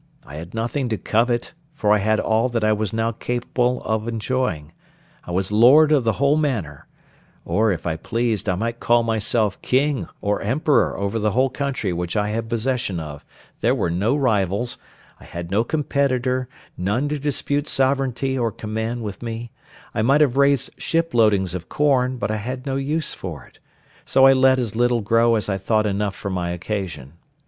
I had nothing to covet, for I had all that I was now capable of enjoying; I was lord of the whole manor; or, if I pleased, I might call myself king or emperor over the whole country which I had possession of: there were no rivals; I had no competitor, none to dispute sovereignty or command with me: I might have raised ship loadings of corn, but I had no use for it; so I let as little grow as I thought enough for my occasion.